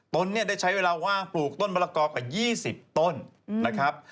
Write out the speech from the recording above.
ต้นได้ใช้เวลาว่าปลูกต้นบรรกอกว่า๒๐ต้นนะครับ